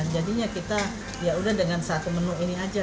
jadinya kita yaudah dengan satu menu ini aja